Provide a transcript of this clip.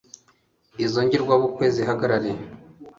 izo ngirwabukwe zihagarare